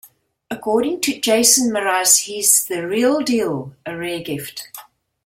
According to Jason Mraz: He's the real deal, a rare gift.